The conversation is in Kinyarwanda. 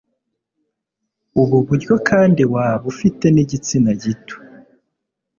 ubu buryo kandi waba ufite n'igitsina gito